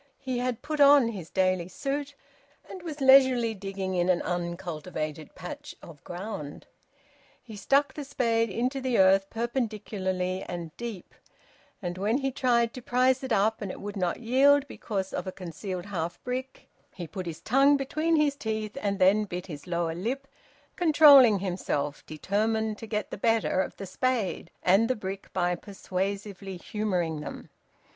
He had put on his daily suit, and was leisurely digging in an uncultivated patch of ground. He stuck the spade into the earth perpendicularly and deep, and when he tried to prise it up and it would not yield because of a concealed half brick, he put his tongue between his teeth and then bit his lower lip, controlling himself, determined to get the better of the spade and the brick by persuasively humouring them.